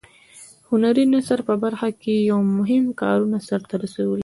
هنري نثر په برخه کې یې مهم کارونه سرته رسولي.